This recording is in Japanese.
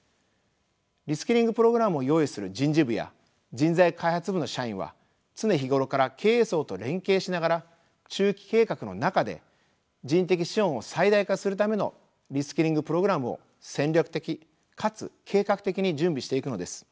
リスキリングプログラムを用意する人事部や人材開発部の社員は常日頃から経営層と連携しながら中期計画の中で人的資本を最大化するためのリスキリングプログラムを戦略的かつ計画的に準備していくのです。